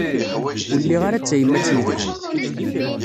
Ur lliɣ ara d tayemmat yelhan.